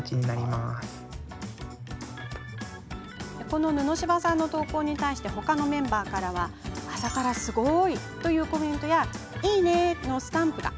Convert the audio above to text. この布柴さんの投稿に対してほかのメンバーからは朝からすごい！というコメントやいいね！のスタンプが。